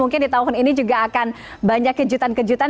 mungkin di tahun ini juga akan banyak kejutan kejutan